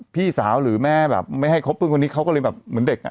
พี่สาวหรือแม่แบบไม่ให้คบเพื่อนคนนี้เขาก็เลยแบบเหมือนเด็กอ่ะ